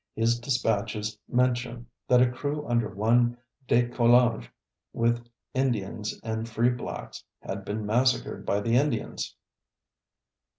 His dispatches mention that a crew under one De Coulanges, with Indians and free blacks had been massacred by the Indians.